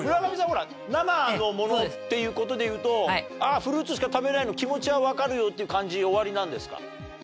生のものっていう事で言うとフルーツしか食べないの気持ちはわかるよって感じおありなんですか？